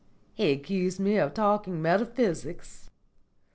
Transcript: He accused me of talking metaphysics."